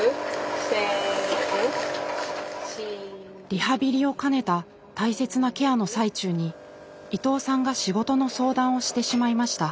リハビリを兼ねた大切なケアの最中に伊藤さんが仕事の相談をしてしまいました。